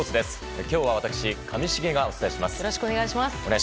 今日は私、上重がお伝えします。